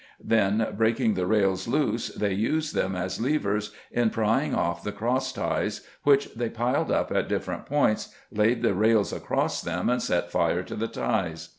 Then, breaking the rails loose, they used them as levers in prying off the cross ties, which they piled up at different points, laid the rails across them, and set fire to the ties.